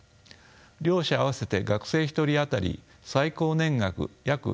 両者合わせて学生１人当たり最高年額約１９０万円